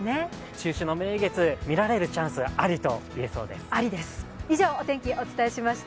中秋の名月、見られるチャンスありといえそうです。